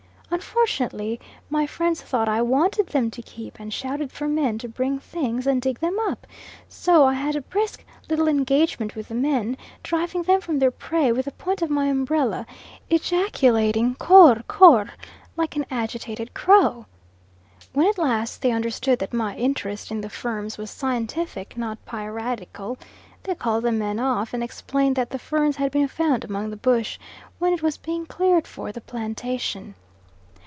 Unfortunately, my friends thought I wanted them to keep, and shouted for men to bring things and dig them up; so I had a brisk little engagement with the men, driving them from their prey with the point of my umbrella, ejaculating Kor Kor, like an agitated crow. When at last they understood that my interest in the ferns was scientific, not piratical, they called the men off and explained that the ferns had been found among the bush, when it was being cleared for the plantation.